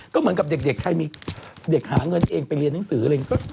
ก็เหมือนกับเด็กใครมีเด็กหาเงินเองไปเรียนหนังสืออะไรอย่างนี้